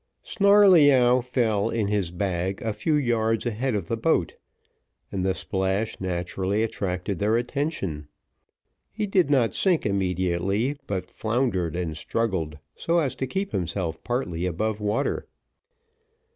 Snarleyyow fell in his bag a few yards ahead of the boat, and the splash naturally attracted their attention; he did not sink immediately, but floundered and struggled so as to keep himself partly above water.